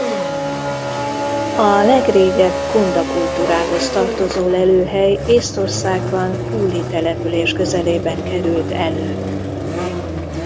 A legrégebb kunda kultúrához tartozó lelőhely Észtországban Pulli település közelében került elő.